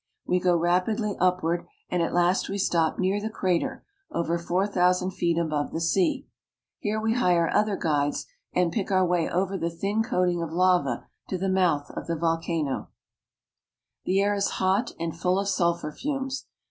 We go rapidly upward, and at last we stop near the crater, over four thousand feet above the sea. Here we hire other guides, and pick our way over the thin coating of lava to the mouth of the volcano. NAPLES AND MOUNT VESUVIUS. 425 Pompeii. The air is hot and full of sulphur fumes.